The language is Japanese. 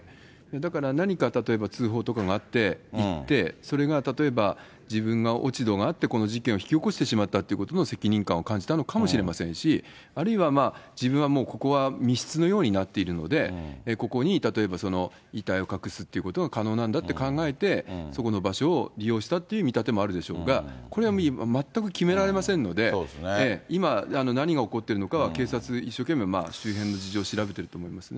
だから何か例えば、通報とかがあって、行って、それが例えば自分が落ち度があってこの事件を引き起こしてしまったということの責任感を感じたのかもしれませんし、あるいは自分はもうここは密室のようになっているので、ここに例えばその遺体を隠すっていうことが可能なんだって考えて、そこの場所を利用したっていう見立てもあるでしょうが、これは全く決められませんので、今、何が起こっているのかは、警察、一生懸命周辺の事情調べていると思いますね。